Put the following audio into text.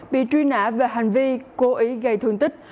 bị truy nã về hành vi cố ý gây thương tích